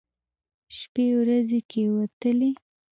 شپې ورځې کښېوتلې.